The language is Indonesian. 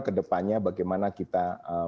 kedepannya bagaimana kita